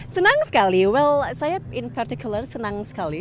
senang sekali well saya in particular senang sekali